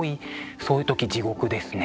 そういう時地獄ですね。